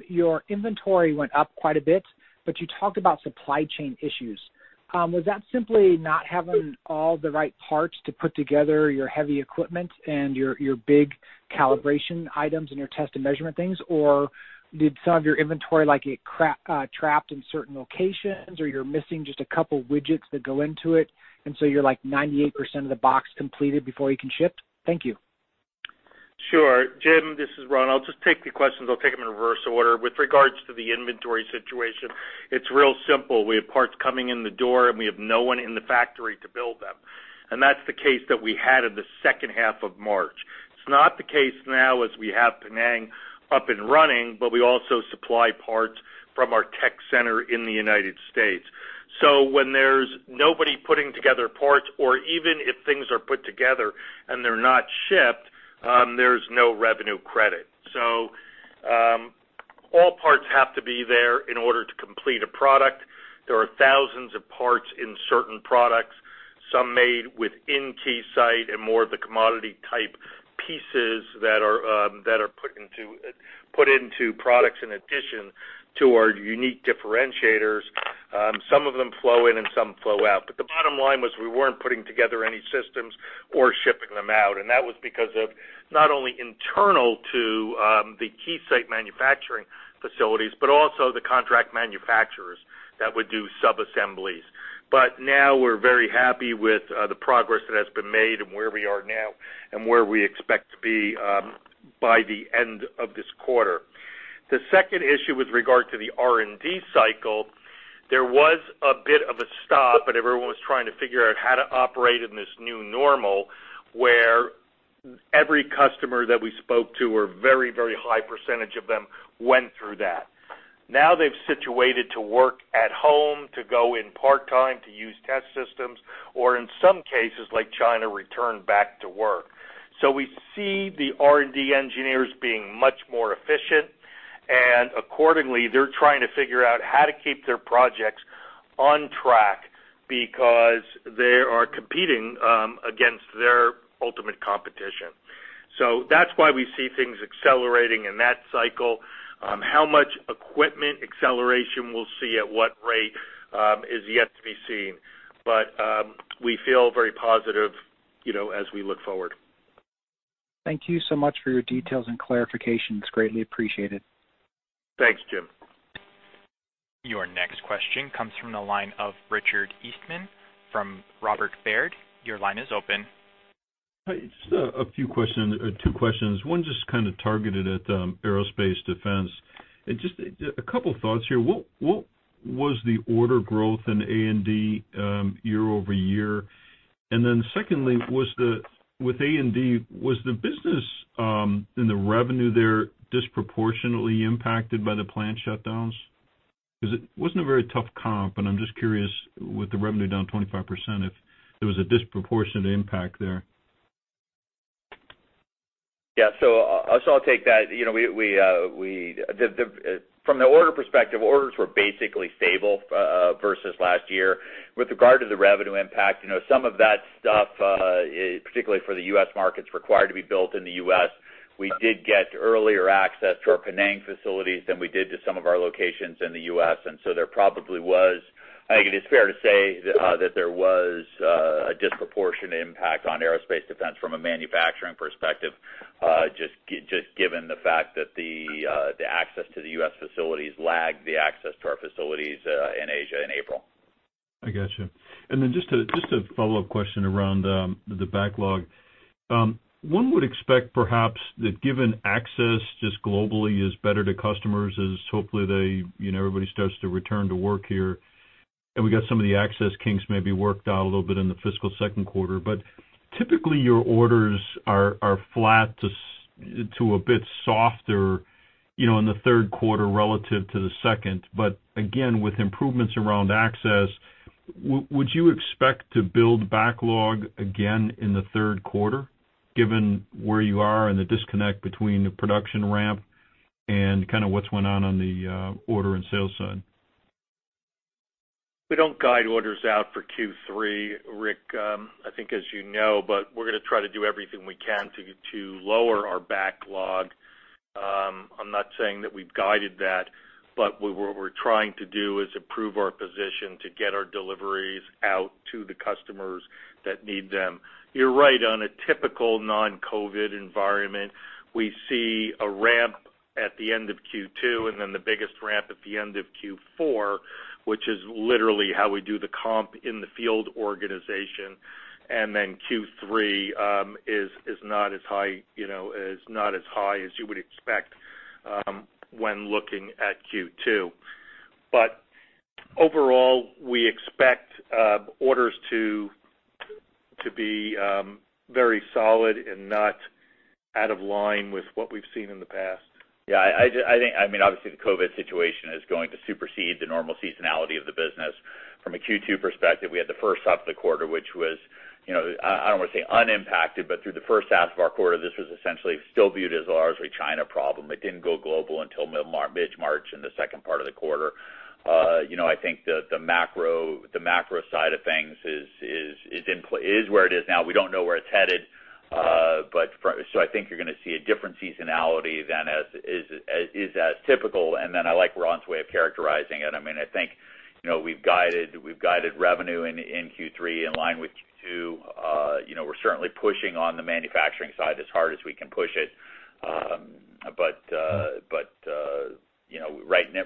your inventory went up quite a bit, but you talked about supply chain issues. Was that simply not having all the right parts to put together your heavy equipment and your big calibration items and your test and measurement things? Did some of your inventory, like it's trapped in certain locations, or you're missing just a couple widgets that go into it, and so you're like 98% of the box completed before you can ship? Thank you. Sure. Jim, this is Ron. I'll just take the questions. I'll take them in reverse order. With regards to the inventory situation, it's real simple. We have parts coming in the door, and we have no one in the factory to build them. That's the case that we had in the second half of March. It's not the case now as we have Penang up and running, but we also supply parts from our tech center in the United States. When there's nobody putting together parts, or even if things are put together and they're not shipped, there's no revenue credit. All parts have to be there in order to complete a product. There are thousands of parts in certain products, some made within Keysight and more of the commodity type pieces that are put into products in addition to our unique differentiators. Some of them flow in and some flow out. The bottom line was we weren't putting together any systems or shipping them out. That was because of not only internal to the Keysight manufacturing facilities, but also the contract manufacturers that would do subassemblies. Now we're very happy with the progress that has been made and where we are now and where we expect to be by the end of this quarter. The second issue with regard to the R&D cycle, there was a bit of a stop, but everyone was trying to figure out how to operate in this new normal, where every customer that we spoke to or very high percentage of them went through that. Now they've situated to work at home, to go in part-time, to use test systems, or in some cases like China, return back to work. We see the R&D engineers being much more efficient, and accordingly, they're trying to figure out how to keep their projects on track because they are competing against their ultimate competition. That's why we see things accelerating in that cycle. How much equipment acceleration we'll see at what rate is yet to be seen. We feel very positive as we look forward. Thank you so much for your details and clarification. It's greatly appreciated. Thanks, Jim. Your next question comes from the line of Richard Eastman from Robert Baird. Your line is open. Hi. Just two questions. One just kind of targeted at Aerospace Defense. Just a couple of thoughts here. What was the order growth in A&D year-over-year? Secondly, with A&D, was the business and the revenue there disproportionately impacted by the plant shutdowns? It wasn't a very tough comp, and I'm just curious, with the revenue down 25%, if there was a disproportionate impact there. Yeah. I'll take that. From the order perspective, orders were basically stable versus last year. With regard to the revenue impact, some of that stuff, particularly for the U.S. markets required to be built in the U.S., we did get earlier access to our Penang facilities than we did to some of our locations in the U.S. I think it is fair to say that there was a disproportionate impact on Aerospace Defense from a manufacturing perspective, just given the fact that the access to the U.S. facilities lagged the access to our facilities in Asia in April. I got you. Just a follow-up question around the backlog. One would expect perhaps that given access just globally is better to customers as hopefully everybody starts to return to work here, and we got some of the access kinks maybe worked out a little bit in the fiscal second quarter, typically your orders are flat to a bit softer in the third quarter relative to the second. Again, with improvements around access, would you expect to build backlog again in the third quarter given where you are and the disconnect between the production ramp and kind of what's went on on the order and sales side? We don't guide orders out for Q3, Richard, I think as you know, but we're going to try to do everything we can to lower our backlog. I'm not saying that we've guided that, but what we're trying to do is improve our position to get our deliveries out to the customers that need them. You're right, on a typical non-COVID-19 environment, we see a ramp at the end of Q2, and then the biggest ramp at the end of Q4, which is literally how we do the comp in the field organization. Q3 is not as high as you would expect when looking at Q2. Overall, we expect orders to be very solid and not out of line with what we've seen in the past. Yeah. I think, obviously the COVID situation is going to supersede the normal seasonality of the business. From a Q2 perspective, we had the first half of the quarter, which was, I don't want to say unimpacted, but through the first half of our quarter, this was essentially still viewed as largely China problem. It didn't go global until mid-March in the second part of the quarter. I think the macro side of things is where it is now. We don't know where it's headed. I think you're going to see a different seasonality than is as typical, and then I like Ron's way of characterizing it. I think we've guided revenue in Q3 in line with Q2. We're certainly pushing on the manufacturing side as hard as we can push it.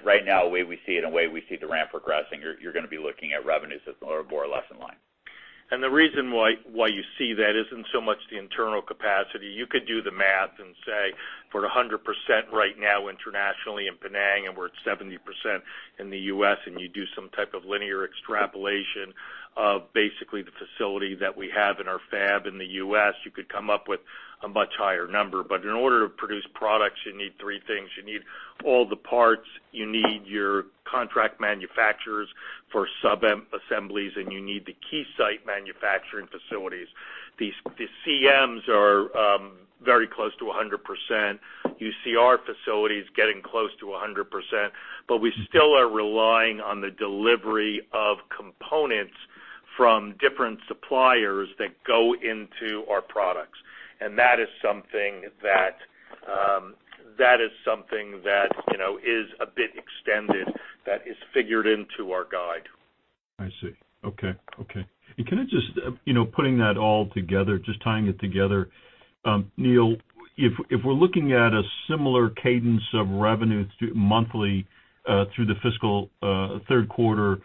Right now, the way we see it and the way we see the ramp progressing, you're going to be looking at revenues that are more or less in line. The reason why you see that isn't so much the internal capacity. You could do the math and say we're at 100% right now internationally in Penang, and we're at 70% in the U.S., and you do some type of linear extrapolation of basically the facility that we have in our fab in the U.S., you could come up with a much higher number. In order to produce products, you need three things. You need all the parts, you need your contract manufacturers for sub-assemblies, and you need the Keysight manufacturing facilities. The CMs are very close to 100%. You see our facilities getting close to 100%, but we still are relying on the delivery of components from different suppliers that go into our products. That is something that is a bit extended, that is figured into our guide. I see. Okay. Putting that all together, tying it together, Neil, if we're looking at a similar cadence of revenue monthly through the fiscal third quarter,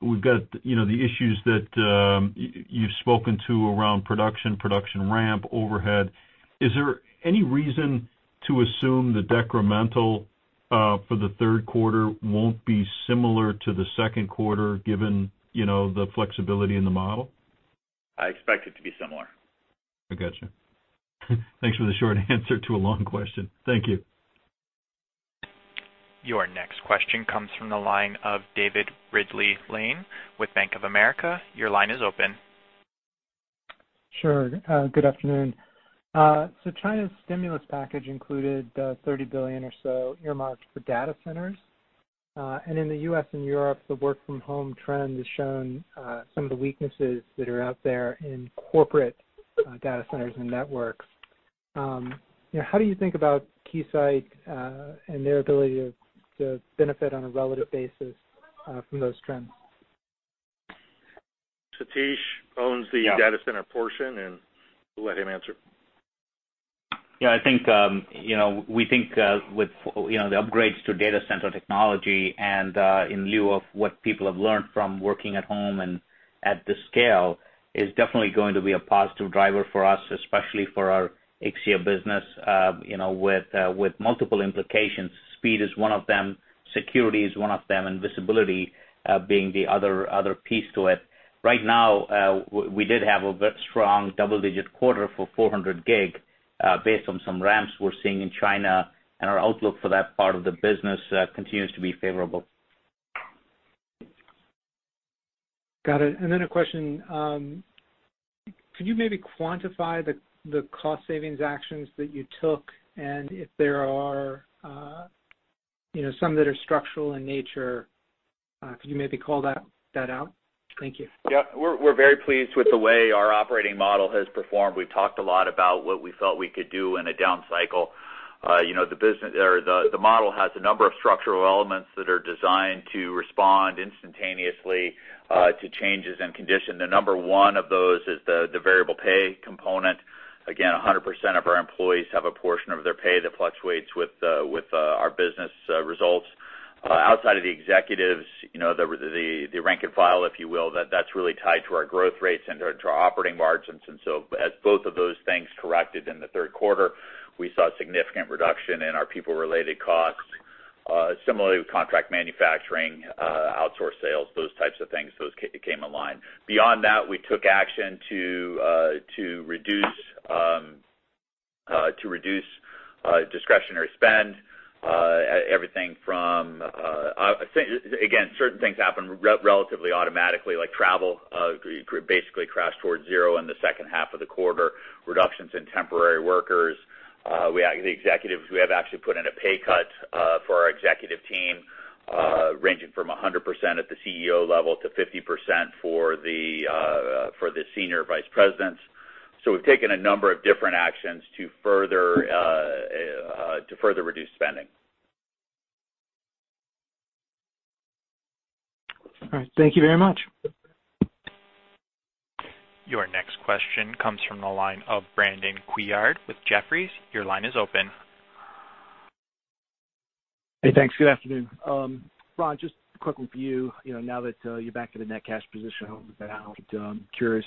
we've got the issues that you've spoken to around production ramp, overhead. Is there any reason to assume the decremental for the third quarter won't be similar to the second quarter given the flexibility in the model? I expect it to be similar. I got you. Thanks for the short answer to a long question. Thank you. Your next question comes from the line of David Ridley-Lane with Bank of America. Your line is open. Sure. Good afternoon. China's stimulus package included $30 billion or so earmarked for data centers. In the U.S. and Europe, the work from home trend has shown some of the weaknesses that are out there in corporate data centers and networks. How do you think about Keysight, and their ability to benefit on a relative basis from those trends? Satish owns the data center portion, and we'll let him answer. Yeah, we think with the upgrades to data center technology and in lieu of what people have learned from working at home and at this scale is definitely going to be a positive driver for us, especially for our Ixia business, with multiple implications. Speed is one of them, security is one of them, and visibility being the other piece to it. Right now, we did have a very strong double-digit quarter for 400 Gig, based on some ramps we're seeing in China, and our outlook for that part of the business continues to be favorable. Got it. A question, could you maybe quantify the cost savings actions that you took? If there are some that are structural in nature, could you maybe call that out? Thank you. Yeah. We're very pleased with the way our operating model has performed. We've talked a lot about what we felt we could do in a down cycle. The model has a number of structural elements that are designed to respond instantaneously to changes in condition. The number one of those is the variable pay component. Again, 100% of our employees have a portion of their pay that fluctuates with our business results. Outside of the executives, the rank and file, if you will, that's really tied to our growth rates and to our operating margins. As both of those things corrected in the third quarter, we saw a significant reduction in our people-related costs. Similarly, with contract manufacturing, outsource sales, those types of things, those came aligned. Beyond that, we took action to reduce discretionary spend. Certain things happen relatively automatically, like travel, basically crashed towards zero in the second half of the quarter, reductions in temporary workers. The executives, we have actually put in a pay cut for our executive team, ranging from 100% at the CEO level to 50% for the senior vice presidents. We've taken a number of different actions to further reduce spending. All right. Thank you very much. Your next question comes from the line of Brandon Couillard with Jefferies. Your line is open. Hey, thanks. Good afternoon. Ron, just quick with you. Now that you're back in the net cash position, I'm curious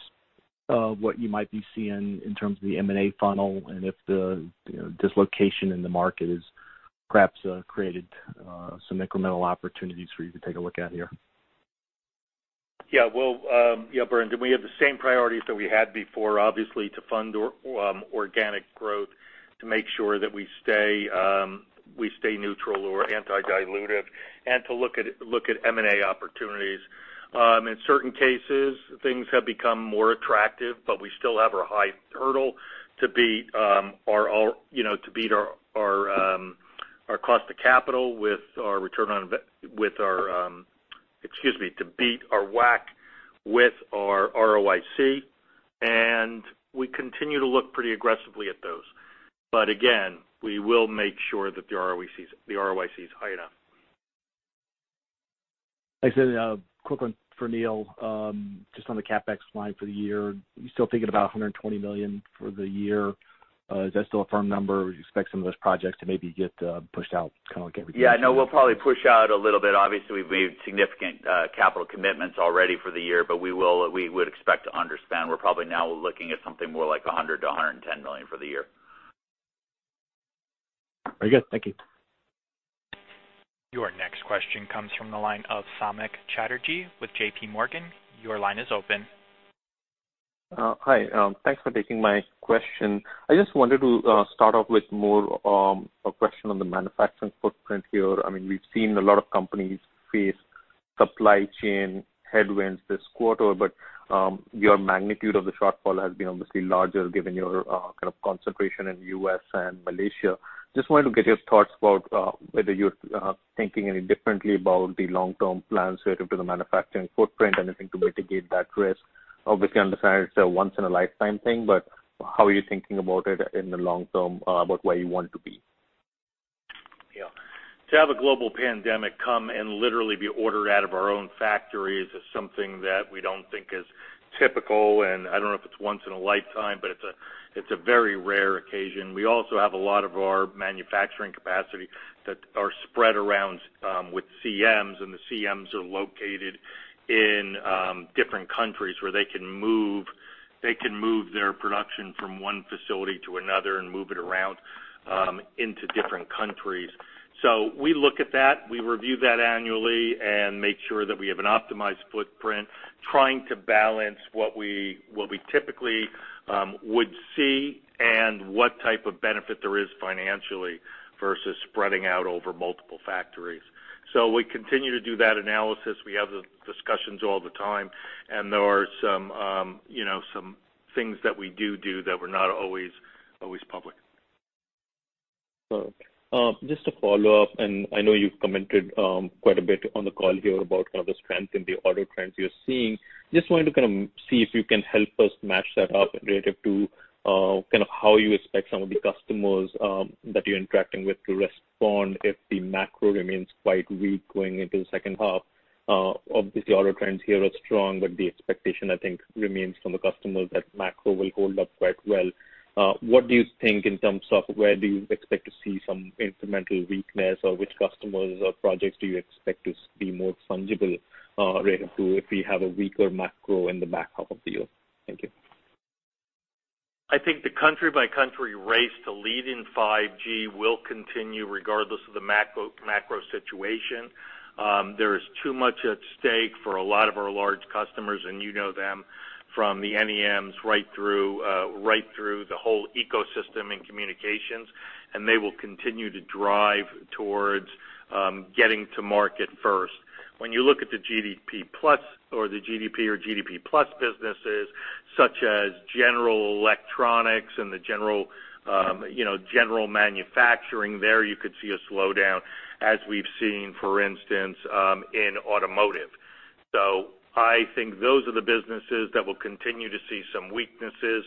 what you might be seeing in terms of the M&A funnel and if this location in the market has perhaps created some incremental opportunities for you to take a look at here. Well, yeah, Brandon, we have the same priorities that we had before, obviously, to fund organic growth, to make sure that we stay neutral or anti-dilutive, and to look at M&A opportunities. In certain cases, things have become more attractive, but we still have our high hurdle to beat our cost to capital with our WACC with our ROIC, and we continue to look pretty aggressively at those. Again, we will make sure that the ROIC is high enough. I said, quick one for Neil, just on the CapEx slide for the year. You still thinking about $120 million for the year? Is that still a firm number? Would you expect some of those projects to maybe get pushed out? Yeah. No, we'll probably push out a little bit. Obviously, we've made significant capital commitments already for the year, but we would expect to underspend. We're probably now looking at something more like $100 million-$110 million for the year. Very good. Thank you. Your next question comes from the line of Samik Chatterjee with J.P. Morgan. Your line is open. Hi. Thanks for taking my question. I just wanted to start off with more of a question on the manufacturing footprint here. We've seen a lot of companies face supply chain headwinds this quarter, but your magnitude of the shortfall has been obviously larger given your kind of concentration in U.S. and Malaysia. Just wanted to get your thoughts about whether you're thinking any differently about the long-term plans related to the manufacturing footprint, anything to mitigate that risk. Obviously, understand it's a once in a lifetime thing, but how are you thinking about it in the long term about where you want to be? Yeah. To have a global pandemic come and literally be ordered out of our own factories is something that we don't think is typical, and I don't know if it's once in a lifetime, but it's a very rare occasion. We also have a lot of our manufacturing capacity that are spread around with CMs. The CMs are located in different countries where they can move their production from one facility to another and move it around into different countries. We look at that. We review that annually and make sure that we have an optimized footprint, trying to balance what we typically would see and what type of benefit there is financially versus spreading out over multiple factories. We continue to do that analysis. We have the discussions all the time. There are some things that we do that were not always public. Just a follow-up, and I know you've commented quite a bit on the call here about kind of the strength in the order trends you're seeing. Just wanted to kind of see if you can help us match that up relative to how you expect some of the customers that you're interacting with to respond if the macro remains quite weak going into the second half. Obviously, order trends here are strong, but the expectation, I think, remains from the customers that macro will hold up quite well. What do you think in terms of where do you expect to see some incremental weakness, or which customers or projects do you expect to be more fungible relative to if we have a weaker macro in the back half of the year? Thank you. I think the country-by-country race to lead in 5G will continue regardless of the macro situation. There is too much at stake for a lot of our large customers, you know them from the NEMs right through the whole ecosystem in communications, and they will continue to drive towards getting to market first. When you look at the GDP plus or the GDP or GDP plus businesses, such as general electronics and the general manufacturing there, you could see a slowdown, as we've seen, for instance, in automotive. I think those are the businesses that will continue to see some weaknesses,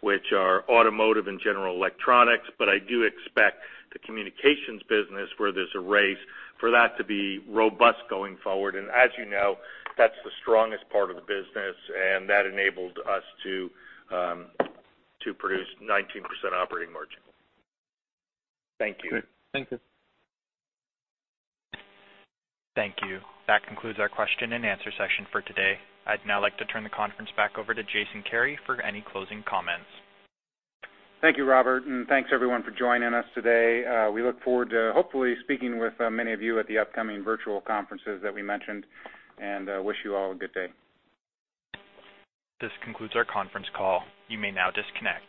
which are automotive and general electronics. I do expect the communications business where there's a race for that to be robust going forward. As you know, that's the strongest part of the business, and that enabled us to produce 19% operating margin. Thank you. Great. Thank you. Thank you. That concludes our question and answer session for today. I'd now like to turn the conference back over to Jason Kary for any closing comments. Thank you, Robert, and thanks everyone for joining us today. We look forward to hopefully speaking with many of you at the upcoming virtual conferences that we mentioned, and wish you all a good day. This concludes our conference call. You may now disconnect.